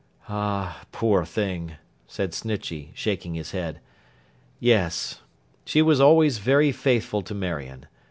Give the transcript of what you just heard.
'Ah, poor thing!' said Snitchey, shaking his head. 'Yes. She was always very faithful to Marion.